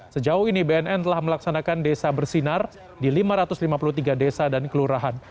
sejauh ini bnn telah melaksanakan desa bersinar di lima ratus lima puluh tiga desa dan kelurahan